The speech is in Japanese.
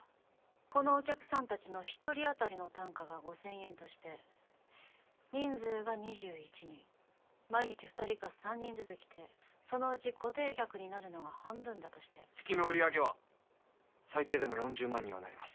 このお客さん達の一人当たりの単価が５０００円として人数が２１人毎日２人か３人ずつ来てそのうち固定客になるのが半分だとして月の売り上げは最低でも４０万にはなります